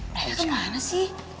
eh kemana sih